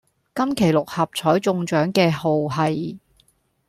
今期六合彩中獎嘅號係